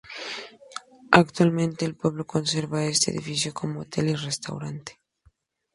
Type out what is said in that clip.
Actualmente el pueblo conserva este edificio como hotel y restaurante.